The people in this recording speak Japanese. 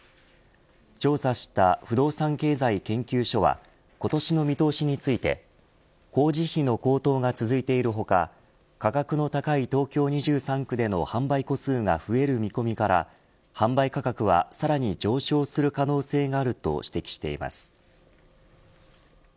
調査した不動産経済研究所は今年の見通しについて工事費の高騰が続いているほか、価格の高い東京２３区での販売戸数が増える見込みから販売価格はさらに上昇する可能性があると指摘しています。